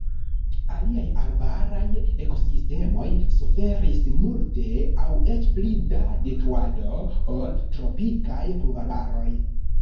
Aliaj arbaraj ekosistemoj suferis multe aŭ eĉ pli da detruado ol tropikaj pluvarbaroj.